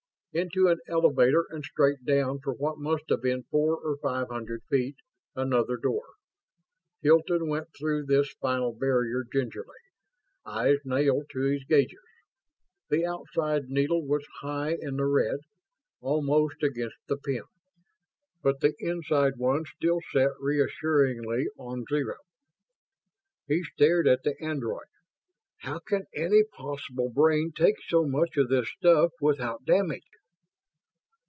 Into an elevator and straight down for what must have been four or five hundred feet. Another door. Hilton went through this final barrier gingerly, eyes nailed to his gauges. The outside needle was high in the red, almost against the pin, but the inside one still sat reassuringly on zero. He stared at the android. "How can any possible brain take so much of this stuff without damage?"